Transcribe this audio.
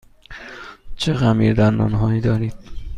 چه خمیردندان هایی دارید؟